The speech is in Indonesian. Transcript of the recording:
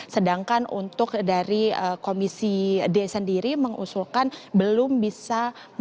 sedangkan untuk dari komisi d sendiri mengusulkan belum bisa